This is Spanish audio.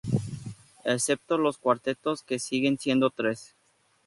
Excepto los cuartetos que siguen siendo tres.